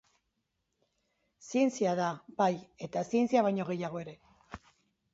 Zientzia da, bai eta zientzia baino gehiago ere.